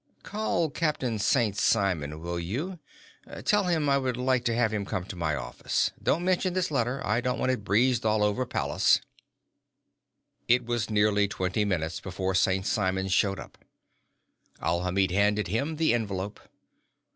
"Call Captain St. Simon, will you? Tell him I would like to have him come to my office. Don't mention this letter; I don't want it breezed all over Pallas." It was nearly twenty minutes before St. Simon showed up. Alhamid handed him the envelope.